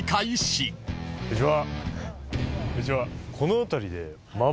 こんにちは。